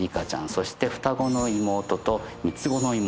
そして双子の妹と三つ子の妹。